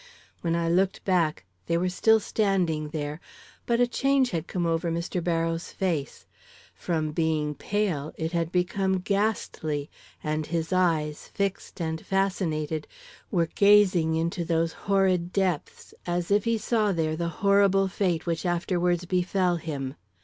When I looked back they were still standing there, but a change had come over Mr. Barrows' face. From being pale it had become ghastly, and his eyes, fixed and fascinated, were gazing into those horrid depths, as if he saw there the horrible fate which afterwards befell him.